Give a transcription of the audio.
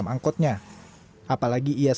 ya bukunya bagus